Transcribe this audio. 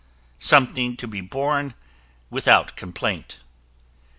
something to be borne without complaint.